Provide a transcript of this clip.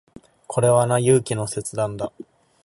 これはな、勇気の切断だ。